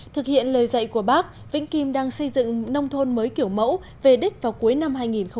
thực hiện lời dạy của bác vĩnh kim đang xây dựng nông thôn mới kiểu mẫu về đích vào cuối năm hai nghìn một mươi chín